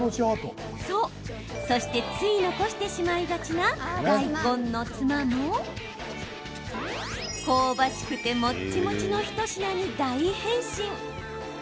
そして、つい残してしまいがちな大根のツマも香ばしくてもっちもちの一品に大変身。